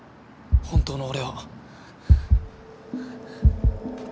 本当の俺を。